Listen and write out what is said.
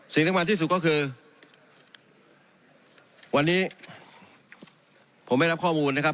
สิ่งสำคัญที่สุดก็คือวันนี้ผมไม่รับข้อมูลนะครับ